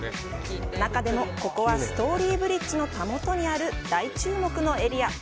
中でも、ここはストーリーブリッジのたもとにある大注目のエリア。